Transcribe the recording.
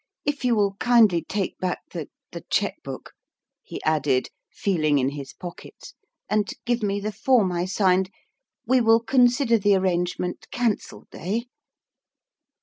If you will kindly take back the the check book," he added, feeling in his pockets, " and give me the form I signed, we will consider the arrangement canceled eh